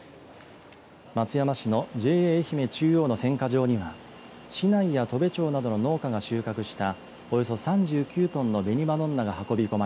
松山市のＪＡえひめ中央の選果場には市内や砥部町などの農家が収穫したおよそ３９トンの紅ま